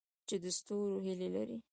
چې د ستورو هیلې لري؟